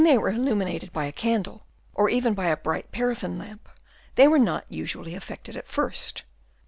21 illuminated by a candle, or even by a bright paraffin lamp, they were not usually affected at first.